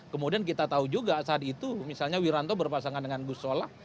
kemudian kita tahu juga saat itu misalnya wiranto berpasangan dengan gus solah